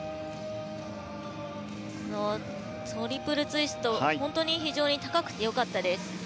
トリプルツイストは本当に高くて良かったです。